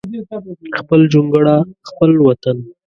خپل جونګړه خپل وطن